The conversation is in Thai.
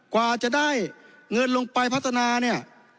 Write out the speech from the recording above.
กว่าจะได้เงินลงไปพัฒนาเนี่ย